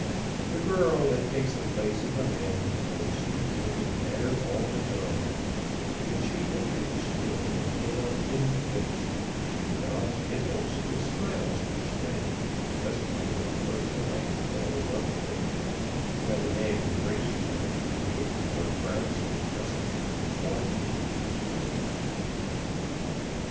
The girl that takes the place of a man who drinks keeps looking better all the time, and if she entered the store with a pale, thin face, she develops dimples and smiles each day, and customers and clerks alike fall in love with her, while the man who drinks too much keeps getting more frowzy, and musty, and moth eaten.